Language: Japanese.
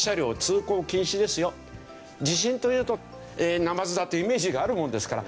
地震というとナマズだというイメージがあるものですから。